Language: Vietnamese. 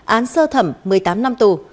án sơ thẩm một mươi tám năm tù